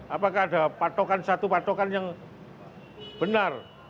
apakah ada patokan satu patokan yang benar